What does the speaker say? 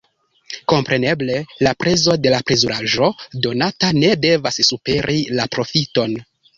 Kompreneble, la prezo de la plezuraĵo donota ne devas superi la profiton.